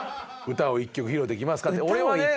歌を１曲披露できますか？